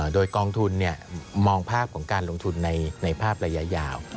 โดยกองทุนมองภาพของการลงทุนในภาพระยะยาว